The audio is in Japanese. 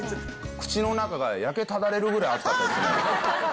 口の中が焼けただれるぐらい熱かったですね。